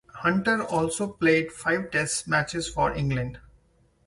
Hunter also played five Test matches for England.